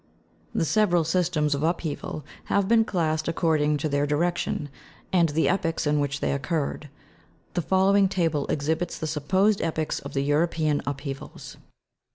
101 The several systems of upheaval have been classed according to their direction, and the epochs in which they occurred. The following table exhibits the supposed epochs of the European upheavals.